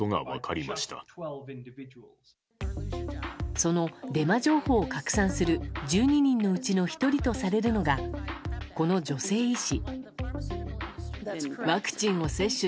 そのデマ情報を拡散する１２人のうちの１人とされるのがこの女性医師。